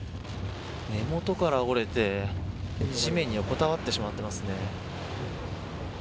根元から折れて地面に横たわってしまってますね。